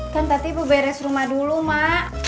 kan tadi beberes rumah dulu mak